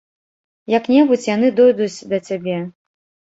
Як-небудзь яны дойдуць да цябе.